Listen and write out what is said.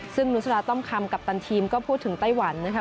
ซึ่งนุษฎาต้อมคำกัปตันทีมก็พูดถึงไต้หวันนะคะ